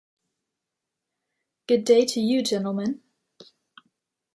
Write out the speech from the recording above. Good day to you, gentlemen.